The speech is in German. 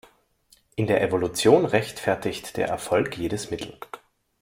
In der Evolution rechtfertigt der Erfolg jedes Mittel.